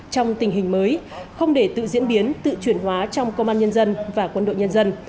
trong tình hình mới không để tự diễn biến tự chuyển hóa trong công an nhân dân và quân đội nhân dân